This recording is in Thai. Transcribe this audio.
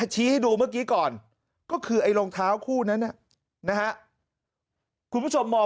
ชี้ให้ดูเมื่อกี้ก่อนก็คือไอ้รองเท้าคู่นั้นนะฮะคุณผู้ชมมอง